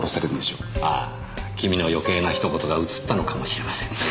ああ君の余計な一言がうつったのかもしれませんね。